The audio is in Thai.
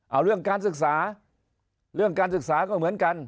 เอาเรื่องการศึกษาเรื่องการศึกษาก็เหมือนกัน